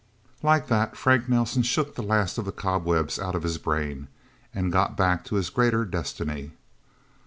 Like that, Frank Nelsen shook the last of the cobwebs out of his brain and got back to his greater destiny.